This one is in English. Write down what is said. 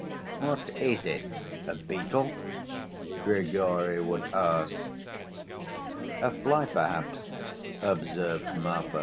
"What is it? A beetle?" Grigory would ask. "A fly, perhaps," observed Marfa.